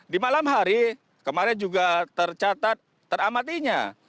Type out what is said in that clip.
di malam hari kemarin juga tercatat teramatinya